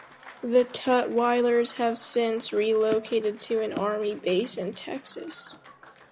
The Tutweilers have since relocated to an army base in Texas.